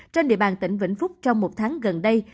trên địa bàn tỉnh vĩnh phúc trong một tháng gần đây